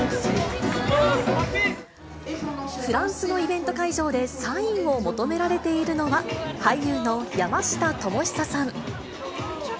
フランスのイベント会場で、サインを求められているのは、俳優の山下智久さん。